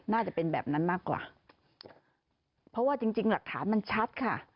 น่าจะเป็นแบบนั้นมากกว่าเพราะว่าจริงจริงหลักฐานมันชัดค่ะ